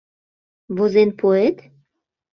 Возен пуэт?